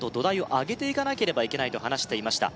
「上げていかなければいけない」と話していました